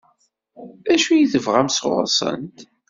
D acu i tebɣam sɣur-sent?